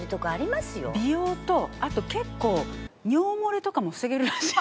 美容とあと結構尿漏れとかも防げるらしい。